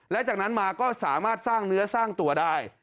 และจากนั้นมาก็สามารถสร้างเนื้อสร้างตัวได้